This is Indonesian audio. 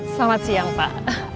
selamat siang pak